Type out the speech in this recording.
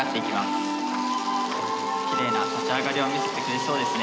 きれいな立ち上がりを見せてくれそうですね。